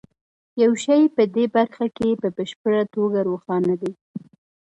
یو شی په دې برخه کې په بشپړه توګه روښانه دی